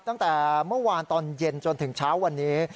ตั้งแต่เมื่อวานตอนเย็นจนถึงเช้าวันนี้